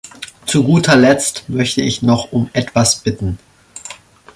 Zu guter Letzt möchte ich noch um etwas bitten.